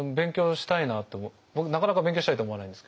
僕なかなか勉強したいと思わないんですけどね